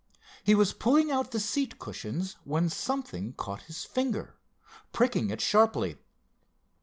He was pulling out the seat cushions, when something caught his finger, pricking it sharply.